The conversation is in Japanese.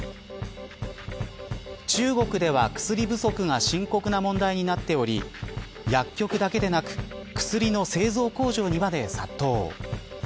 中国では薬不足が深刻な問題になっており薬局だけでなく薬の製造工場にまで殺到。